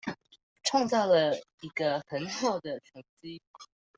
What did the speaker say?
創造了一個很好的成績